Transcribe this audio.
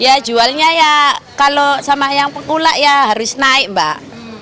ya jualnya ya kalau sama yang pekulak ya harus naik mbak